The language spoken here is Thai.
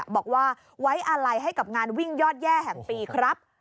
บอกว่าไว้อาลัยให้กับงานวิ่งยอดแย่แห่งปีครับ